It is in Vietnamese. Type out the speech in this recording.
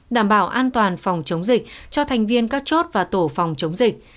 đảm bảo an toàn phòng chống dịch cho thành viên các chốt và tổ phòng chống dịch